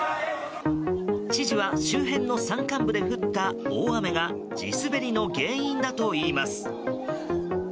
知事は周辺の山間部で降った大雨が地滑りの原因だといいます。